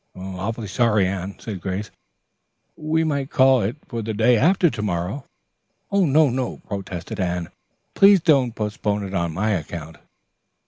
"Awfully sorry, Anne," said Grace. "We might call it for the day after to morrow." "No, no," protested Anne. "Please don't postpone it on my account."